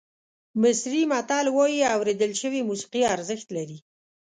مصري متل وایي اورېدل شوې موسیقي ارزښت لري.